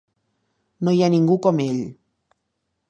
No hi ha ningú com ell.